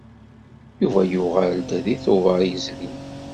Yuba yuɣal-d deg Tubeṛ yezrin.